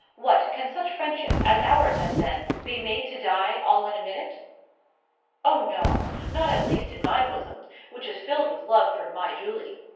What; can such friendship as ours has been be made to die all in a minute? Oh, no; not at least in my bosom, which is filled with love for my Julie.